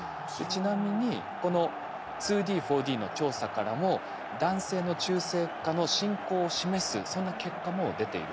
ちなみにこの２Ｄ：４Ｄの調査からも男性の中性化の進行を示すそんな結果も出ているんです。